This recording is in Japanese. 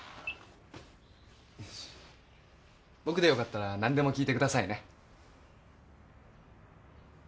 僕でよかったら何でも聞いてくださいね